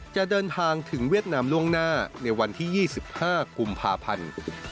จะเดินทางถึงเวียดนามล่วงหน้าในวันที่๒๕กุมภาพันธ์